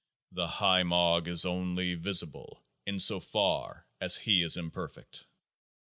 The HIMOG is only visible insofar as He is imperfect.